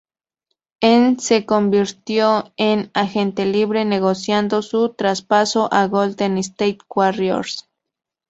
En se convirtió en agente libre, negociando su traspaso a Golden State Warriors.